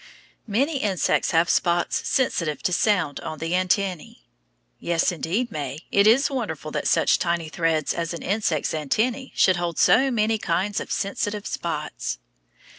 Many insects have spots sensitive to sound on the antennæ. Yes, indeed, May, it is wonderful that such tiny threads as an insect's antennæ should hold so many kinds of sensitive spots.